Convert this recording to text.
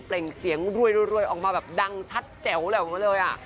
เปล่งเสียงรวยออกมาแบบดังชัดแจ๋วแหล่วเลยอ่ะ